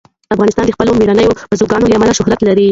افغانستان د خپلو مېړنیو بزګانو له امله شهرت لري.